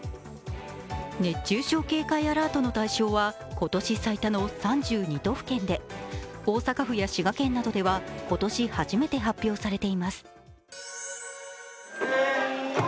熱中症警戒アラートの対象は今年最多の３２都府県で大阪府や滋賀県などでは今年初めて発表されています。